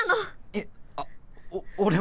えっあっおっ俺も。